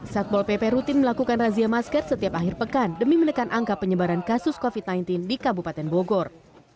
satpol pp rutin melakukan razia masker setiap akhir pekan demi menekan angka penyebaran kasus covid sembilan belas di kabupaten bogor